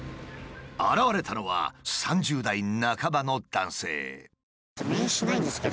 現れたのは３０代半ばの男性。